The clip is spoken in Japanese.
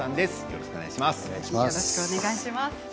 よろしくお願いします。